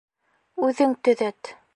Үҙең төҙәт.